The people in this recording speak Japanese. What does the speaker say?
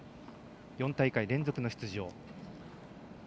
４大会連続の出場。